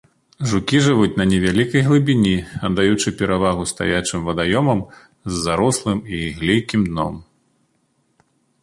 Жукі жывуць на невялікай глыбіні, аддаючы перавагу стаячым вадаёмам з зарослым і глейкім дном.